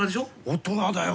大人だよ。